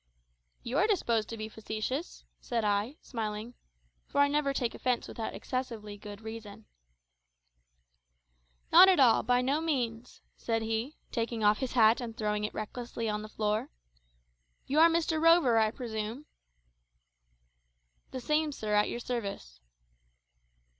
"You are disposed to be facetious," said I, smiling (for I never take offence without excessively good reason). "Not at all, by no means," said he, taking off his hat and throwing it recklessly on the floor. "You are Mr Rover, I presume?" "The same, sir, at your service."